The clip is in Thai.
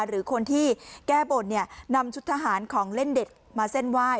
หรือคนที่แก้บนนำชุดทหารของเล่นเด็ดมาเส้นไหว้